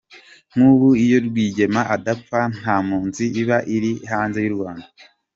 Nk’ubu iyo Rwigema adapfa nta mpunzi iba iri hanze y’u Rwanda.